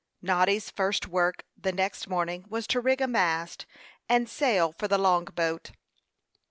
Noddy's first work the next morning was to rig a mast and sail for the long boat.